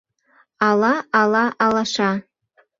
Ала, ала, алаша